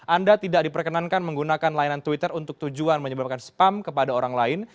anda tidak diperkenankan menggunakan layanan twitter untuk tujuan menyebabkan spam kepada orang lain